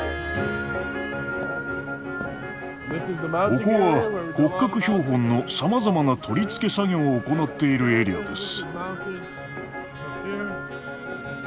ここは骨格標本のさまざまな取り付け作業を行っているエリアです。